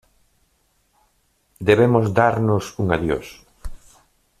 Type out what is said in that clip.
¡ debemos darnos un adiós!